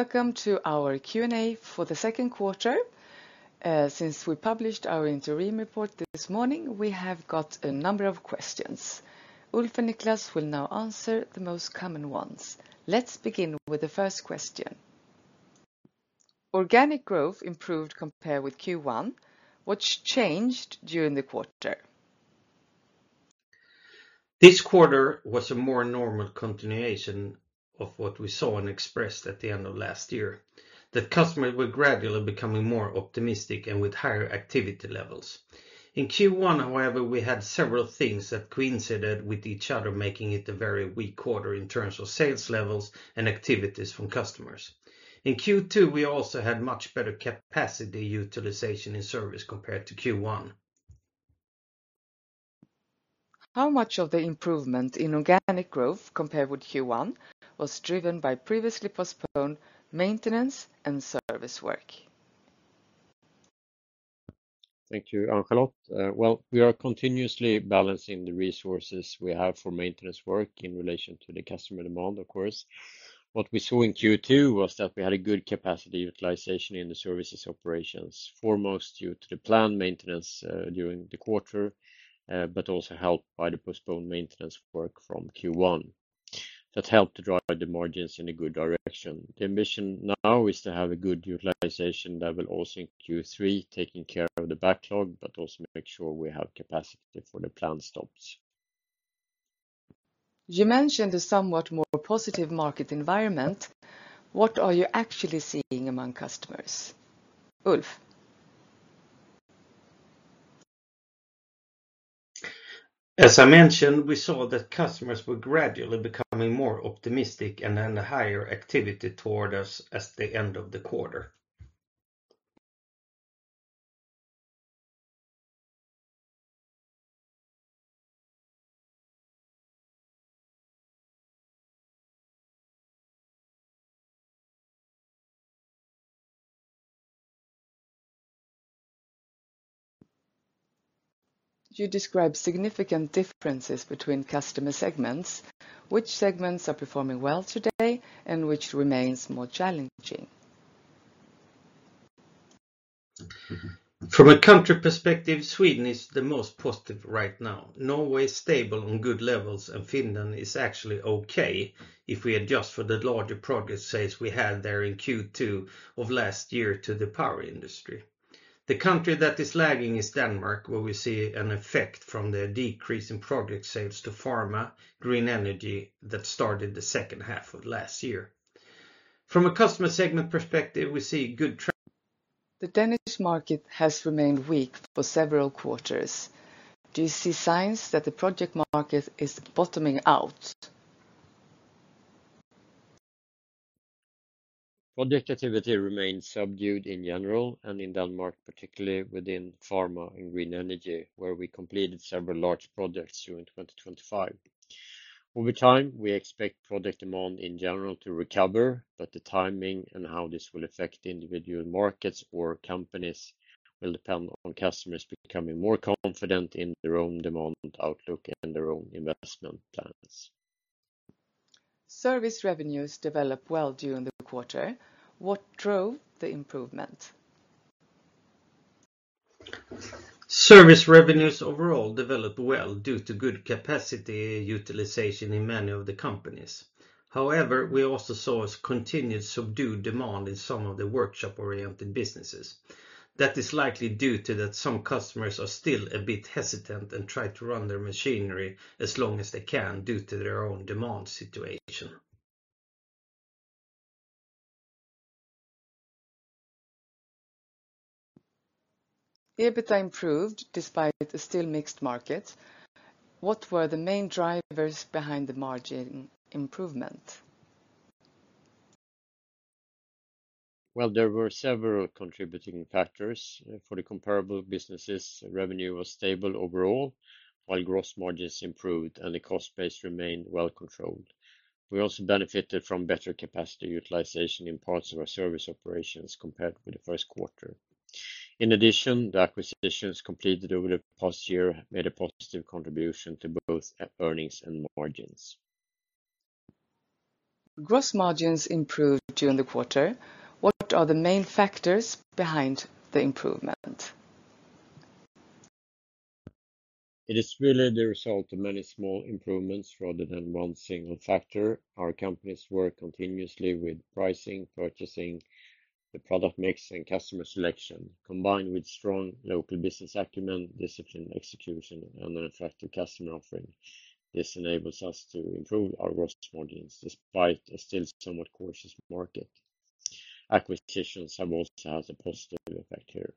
Welcome to our Q&A for the second quarter. Since we published our interim report this morning, we have got a number of questions. Ulf and Niklas will now answer the most common ones. Let's begin with the first question. Organic growth improved compared with Q1. What changed during the quarter? This quarter was a more normal continuation of what we saw and expressed at the end of last year, that customers were gradually becoming more optimistic and with higher activity levels. In Q1, however, we had several things that coincided with each other, making it a very weak quarter in terms of sales levels and activities from customers. In Q2, we also had much better capacity utilization in service compared to Q1. How much of the improvement in organic growth compared with Q1 was driven by previously postponed maintenance and service work? Thank you, Ann-Charlotte. We are continuously balancing the resources we have for maintenance work in relation to the customer demand, of course. What we saw in Q2 was that we had a good capacity utilization in the services operations, foremost due to the planned maintenance during the quarter, but also helped by the postponed maintenance work from Q1. That helped to drive the margins in a good direction. The ambition now is to have a good utilization level also in Q3, taking care of the backlog, but also make sure we have capacity for the planned stops. You mentioned a somewhat more positive market environment. What are you actually seeing among customers? Ulf? As I mentioned, we saw that customers were gradually becoming more optimistic and had a higher activity toward us at the end of the quarter. You describe significant differences between customer segments. Which segments are performing well today, and which remains more challenging? From a country perspective, Sweden is the most positive right now. Norway is stable on good levels, and Finland is actually okay if we adjust for the larger project sales we had there in Q2 of last year to the power industry. The country that is lagging is Denmark, where we see an effect from the decrease in project sales to pharma, green energy that started the second half of last year. From a customer segment perspective, we see good. The Danish market has remained weak for several quarters. Do you see signs that the project market is bottoming out? Project activity remains subdued in general, and in Denmark, particularly within pharma and green energy, where we completed several large projects during 2025. Over time, we expect project demand in general to recover, but the timing and how this will affect individual markets or companies will depend on customers becoming more confident in their own demand outlook and their own investment plans. Service revenues developed well during the quarter. What drove the improvement? Service revenues overall developed well due to good capacity utilization in many of the companies. However, we also saw a continued subdued demand in some of the workshop-oriented businesses. That is likely due to that some customers are still a bit hesitant and try to run their machinery as long as they can due to their own demand situation. EBITA improved despite a still mixed market. What were the main drivers behind the margin improvement? There were several contributing factors. For the comparable businesses, revenue was stable overall, while gross margins improved and the cost base remained well controlled. We also benefited from better capacity utilization in parts of our service operations compared with the first quarter. In addition, the acquisitions completed over the past year made a positive contribution to both earnings and margins. Gross margins improved during the quarter. What are the main factors behind the improvement? It is really the result of many small improvements rather than one single factor. Our companies work continuously with pricing, purchasing, the product mix, and customer selection, combined with strong local business acumen, disciplined execution, and an effective customer offering. This enables us to improve our gross margins despite a still somewhat cautious market. Acquisitions have also had a positive effect here.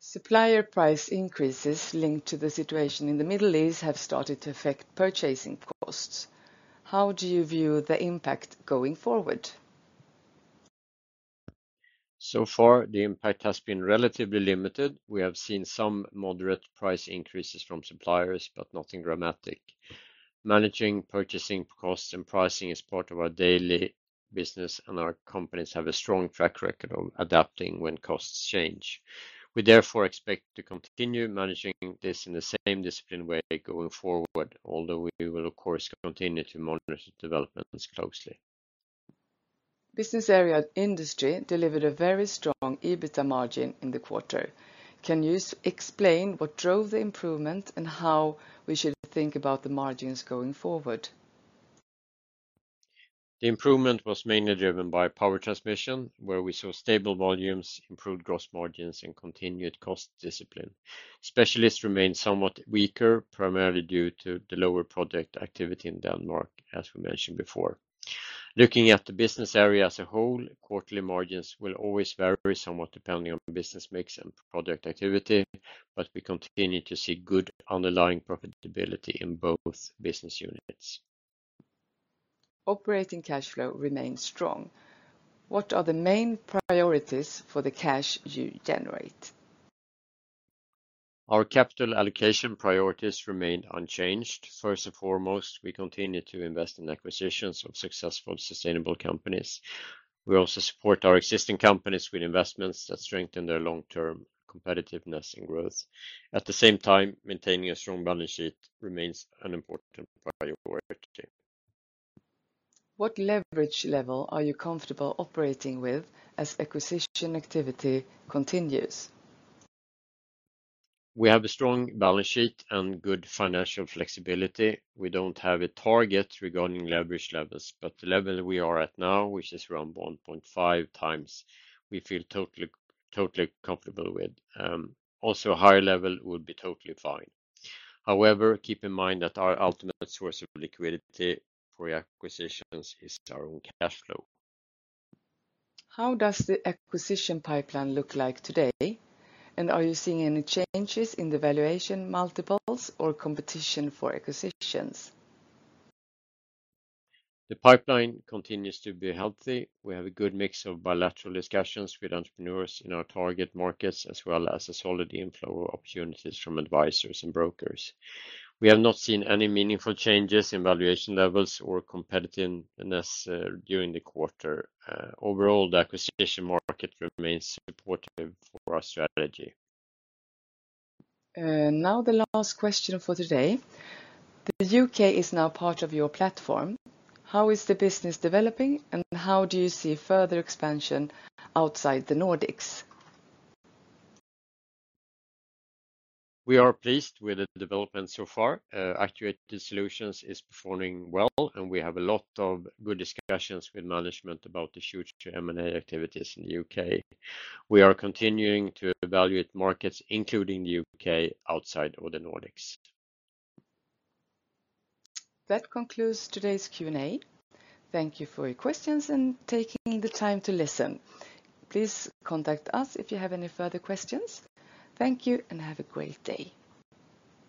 Supplier price increases linked to the situation in the Middle East have started to affect purchasing costs. How do you view the impact going forward? So far, the impact has been relatively limited. We have seen some moderate price increases from suppliers, but nothing dramatic. Managing purchasing costs and pricing is part of our daily business, and our companies have a strong track record of adapting when costs change. We therefore expect to continue managing this in the same disciplined way going forward, although we will, of course, continue to monitor developments closely. Business area industry delivered a very strong EBITA margin in the quarter. Can you explain what drove the improvement and how we should think about the margins going forward? The improvement was mainly driven by power transmission, where we saw stable volumes, improved gross margins, and continued cost discipline. Specialists remained somewhat weaker, primarily due to the lower project activity in Denmark, as we mentioned before. Looking at the business area as a whole, quarterly margins will always vary somewhat depending on business mix and project activity, but we continue to see good underlying profitability in both business units. Operating cash flow remains strong. What are the main priorities for the cash you generate? Our capital allocation priorities remained unchanged. First and foremost, we continue to invest in acquisitions of successful, sustainable companies. We also support our existing companies with investments that strengthen their long-term competitiveness and growth. At the same time, maintaining a strong balance sheet remains an important priority. What leverage level are you comfortable operating with as acquisition activity continues? We have a strong balance sheet and good financial flexibility. We don't have a target regarding leverage levels, but the level we are at now, which is around 1.5x, we feel totally comfortable with. Also, a higher level would be totally fine. However, keep in mind that our ultimate source of liquidity for the acquisitions is our own cash flow. How does the acquisition pipeline look like today, and are you seeing any changes in the valuation multiples or competition for acquisitions? The pipeline continues to be healthy. We have a good mix of bilateral discussions with entrepreneurs in our target markets, as well as a solid inflow of opportunities from advisors and brokers. We have not seen any meaningful changes in valuation levels or competitiveness during the quarter. Overall, the acquisition market remains supportive for our strategy. Now, the last question for today. The U.K. is now part of your platform. How is the business developing, and how do you see further expansion outside the Nordics? We are pleased with the development so far. Actuated Solutions is performing well, and we have a lot of good discussions with management about the future M&A activities in the U.K. We are continuing to evaluate markets, including the U.K., outside of the Nordics. That concludes today's Q&A. Thank you for your questions and taking the time to listen. Please contact us if you have any further questions. Thank you and have a great day.